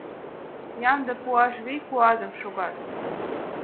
Ямде пуаш вий-куатым шогат